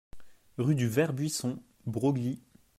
Rue du Vert Buisson, Broglie